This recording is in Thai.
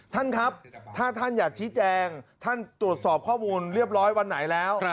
ท่านครับถ้าท่านอยากชี้แจงท่านตรวจสอบข้อมูลเรียบร้อยวันไหนแล้ว